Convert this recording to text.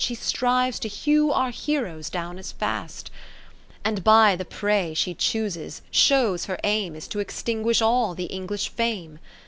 She strives to hew our heroes down as fast ; And by the prey she chooses, shows her aim Is to extinguish all the English Fame.